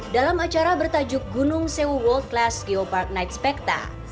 dalam acara bertajuk gunung sewu world class geopark night specta